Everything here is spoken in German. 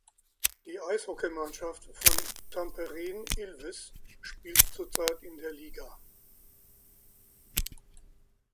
Die Eishockeymannschaft von Tampereen Ilves spielt zurzeit in der Liiga.